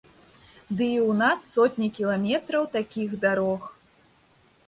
Ды і ў нас сотні кіламетраў такіх дарог.